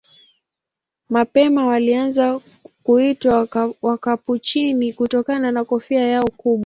Mapema walianza kuitwa Wakapuchini kutokana na kofia yao kubwa.